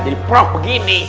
jadi prok begini